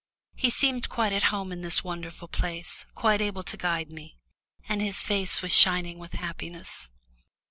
He seemed quite at home in this wonderful place, quite able to guide me. And his face was shining with happiness.